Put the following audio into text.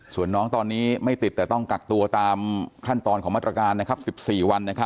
ส่วนน้องตอนนี้ไม่ติดแต่ต้องกักตัวตามขั้นตอนของมาตรการ๑๔วัน